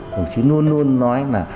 đồng chí luôn luôn nói là